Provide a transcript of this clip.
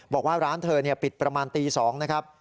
บอกว่าร้านเธอปิดประมาณตี๒นะครับ